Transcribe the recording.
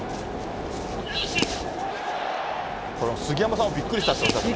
これ、杉山さんもびっくりしたっておっしゃってた。